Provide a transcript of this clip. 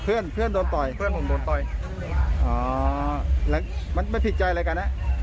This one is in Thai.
เพื่อนเพื่อนโดนต่อยเพื่อนผมโดนต่อยอ๋อแล้วมันไม่ผิดใจอะไรกันนะ